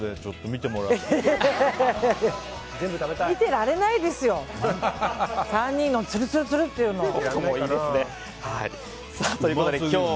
見てられないですよ、３人のツルツルツルっていうのを。